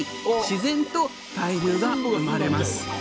自然と対流が生まれます。